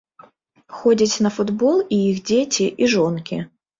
Ходзяць на футбол і іх дзеці, і жонкі.